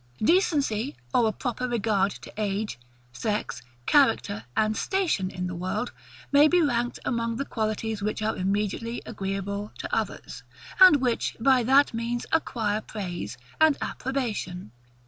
Decency, or a proper regard to age, sex, character, and station in the world, may be ranked among the qualities which are immediately agreeable to others, and which, by that means, acquire praise and approbation.